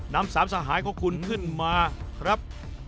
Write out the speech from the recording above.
นำสามสหายของคุณขึ้นมาครับ